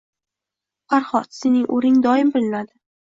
Farhod, sening o`rning doim bilinadi